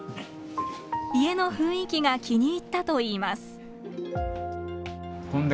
家の雰囲気が気に入ったといいます。